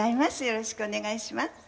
よろしくお願いします。